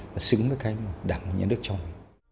và xứng với cái mà đảng nhà nước cho mình